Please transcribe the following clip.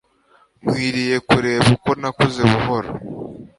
nkwiriye kureba uko nakuze buhoro